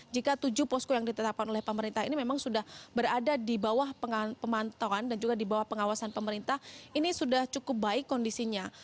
jika tujuh posko yang ditetapkan oleh pemerintah ini memang sudah berada di bawah pemantauan dan juga di bawah pengawasan pemerintah ini sudah cukup baik kondisinya